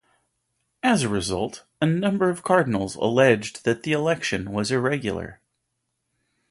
As a result, a number of cardinals alleged that the election was irregular.